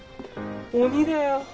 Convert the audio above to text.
鬼だよ。